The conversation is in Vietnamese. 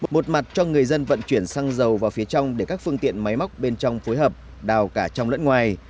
một mặt cho người dân vận chuyển xăng dầu vào phía trong để các phương tiện máy móc bên trong phối hợp đào cả trong lẫn ngoài